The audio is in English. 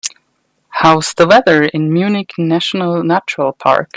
How's the weather in Munchique National Natural Park